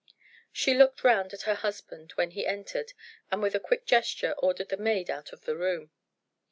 She looked round at her husband when he entered, and with a quick gesture ordered the maid out of the room.